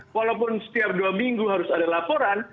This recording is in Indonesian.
walaupun setiap dua minggu harus ada laporan